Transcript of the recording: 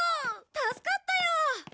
助かったよ。